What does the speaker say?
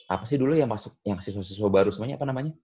apa sih dulu ya yang masuk yang siswa siswa baru semuanya apa namanya